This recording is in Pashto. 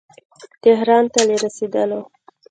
تهران ته له رسېدلو.